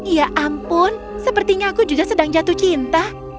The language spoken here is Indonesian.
ya ampun sepertinya aku juga sedang jatuh cinta